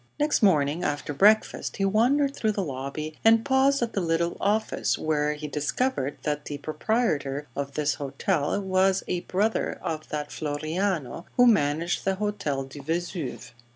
Next morning after breakfast he wandered through the lobby and paused at the little office, where he discovered that the proprietor of this hotel was a brother of that Floriano who managed the Hotel du Vesuve.